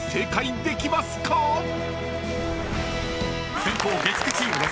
［先攻月９チームです］